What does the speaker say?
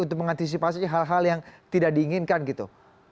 untuk mengantisipasi hal hal yang tidak diinginkan gitu